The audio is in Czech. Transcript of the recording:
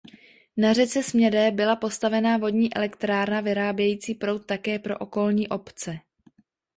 Na řece Smědé byla postavena vodní elektrárna vyrábějící proud také pro okolní obce.